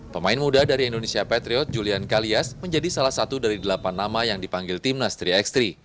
pemain muda dari indonesia patriot julian kalias menjadi salah satu dari delapan nama yang dipanggil timnas tiga x tiga